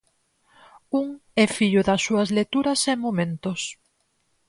Un é fillo das súas lecturas e momentos.